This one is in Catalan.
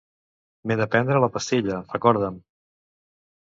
M'he de prendre la pastilla, recorda'm.